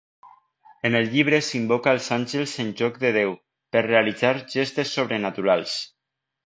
En el llibre s'invoca als àngels en lloc de Déu, per realitzar gestes sobrenaturals.